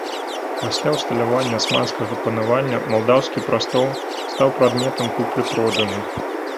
Пасля ўсталявання асманскага панавання малдаўскі прастол стаў прадметам куплі-продажы.